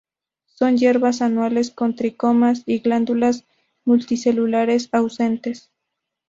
Son hierbas anuales con tricomas y glándulas multicelulares ausentes.